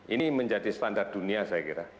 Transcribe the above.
ini menjadi standar dunia saya kira